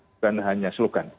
bukan hanya selukan